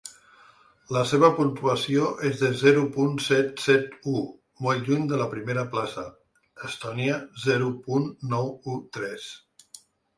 La seva puntuació és de zero punt set set u, molt lluny de la primera plaça: Estònia, zero punt nou u tres.